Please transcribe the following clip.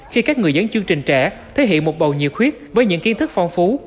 khi các người dẫn chương trình trẻ thể hiện một bầu nhiệt huyết với những kiến thức phong phú